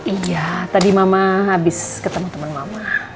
iya tadi mama habis ke temen temen mama